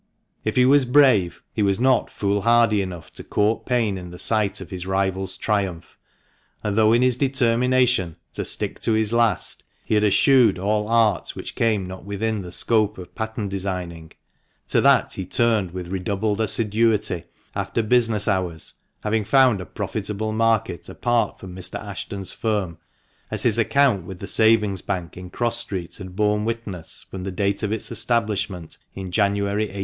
If he was brave, he was not foolhardy enough to court pain in the sight of his rival's triumph, and though in his determination to " stick to his last," he had eschewed all art which came not within the scope of pattern designing, to that he turned with redoubled assiduity after business hours, having found a profitable market apart from Mr. Ashton's firm, as his account with the Savings Bank in Cross Street had borne witness from the date of its establishment in January, 1818.